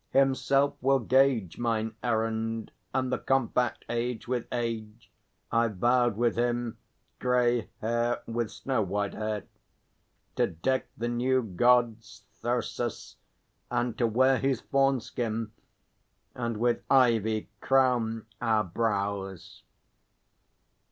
Himself will gauge Mine errand, and the compact, age with age, I vowed with him, grey hair with snow white hair, To deck the new God's thyrsus, and to wear His fawn skin, and with ivy crown our brows.